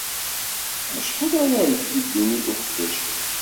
Acḥal ara yekk di ddunit uqeddac-ik?